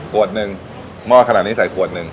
ขวดนึงมอดขนาดนี้ใส่ขวดนึง